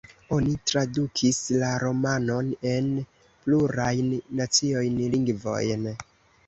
Oni tradukis la romanon en plurajn naciajn lingvojn.